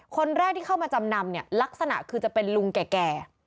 คนแรกที่เข้ามาจำนำเนี่ยลักษณะคือจะเป็นลุงแก่